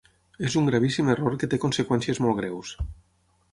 És un gravíssim error que té conseqüències molt greus.